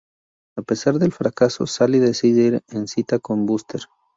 A pesar del fracaso, Sally decide ir en una cita con Buster.